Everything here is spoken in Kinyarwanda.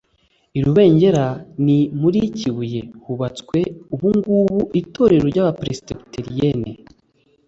i rubengera: ni muri kibuye hubatswe ubungubu itorero ry’abaprerepesibiteriyeni